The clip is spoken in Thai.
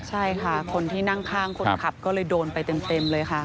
ใช่ค่ะคนที่นั่งข้างคนขับก็เลยโดนไปเต็มเลยค่ะ